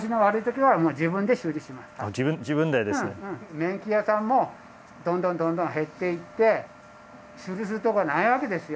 麺機屋さんもどんどんどんどん減っていって修理するとこがないわけですよ。